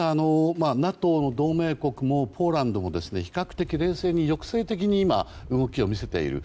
ただ、ＮＡＴＯの同盟国もポーランドも比較的、冷静に抑制的に動きを見せている。